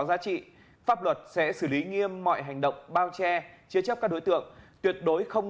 giá trị pháp luật sẽ xử lý nghiêm mọi hành động bao che chế chấp các đối tượng tuyệt đối không